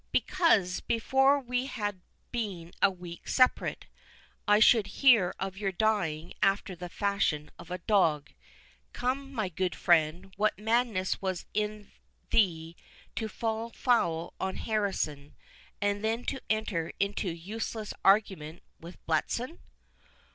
"Because, before we had been a week separate, I should hear of your dying after the fashion of a dog. Come, my good friend, what madness was it in thee to fall foul on Harrison, and then to enter into useless argument with Bletson?"